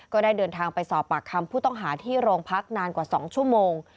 ก็ได้เดินทางไปสอบปากคำผู้ต้องหาที่โรงพักนานกว่า๒ชั่วโมง